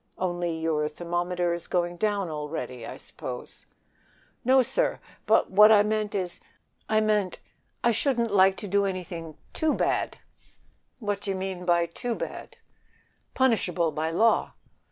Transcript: Only your thermometer is going down already, I suppose." "No, sir; but what I mean is, I shouldn't like to do anything too bad." "What d'ye mean by too bad?" "Punishable by law."